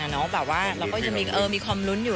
เราก็จะมีความรุ้นอยู่